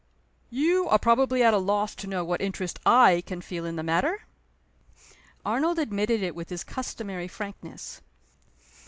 "You are probably at a loss to know what interest I can feel in the matter?" Arnold admitted it with his customary frankness.